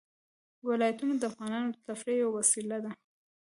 ولایتونه د افغانانو د تفریح یوه وسیله ده.